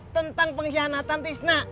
tentang pengkhianatan tisna